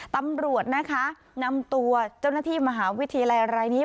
ตำรวจนะคะนำตัวเจ้าหน้าที่มหาวิทยาลัยรายนี้